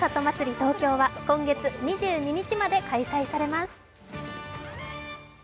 東京は今月２２日まで開催されます。